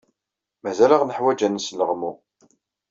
Mazal-aɣ neḥwaj ad nesleɣmu.